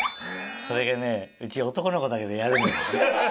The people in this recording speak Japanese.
それがねうち男の子だけどやるの。